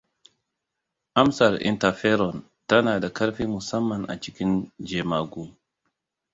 Amsar interferon tana da ƙarfi musamman a cikin jemagu.